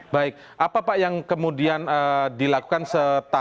baik apa yang kemudian dilakukan setelah